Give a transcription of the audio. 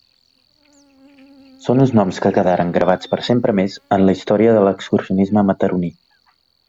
Són uns noms que quedaran gravats per sempre més en la història de l’excursionisme mataroní.